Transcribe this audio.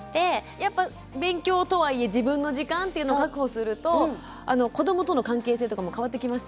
やっぱ勉強とはいえ自分の時間っていうの確保すると子どもとの関係性とかも変わってきました？